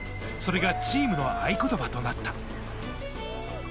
それがチームの合言葉となった。